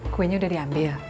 kuenya udah diambil